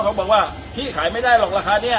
เขาบอกว่าพี่ขายไม่ได้หรอกราคานี้